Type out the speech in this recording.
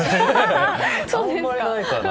あまり、ないかな。